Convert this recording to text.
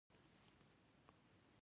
د قانون حاکمیت د ټولنې نظم ساتي.